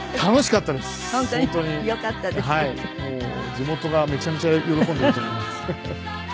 地元がめちゃめちゃ喜んでいると思います。